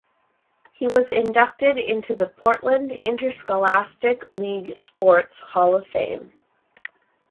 He was inducted into the Portland Interscholastic League Sports Hall of Fame.